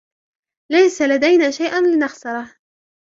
ليس لدينا شيء لنخسره.